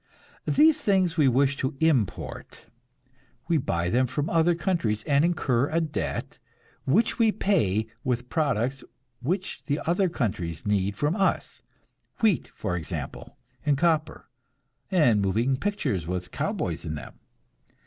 These things we wish to import. We buy them from other countries, and incur a debt, which we pay with products which the other countries need from us; wheat, for example, and copper, and moving pictures with cowboys in them.